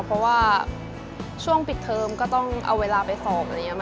เพราะว่าช่วงปิดเทิมก็ต้องเอาเวลาไปสอบอะไรอย่างนี้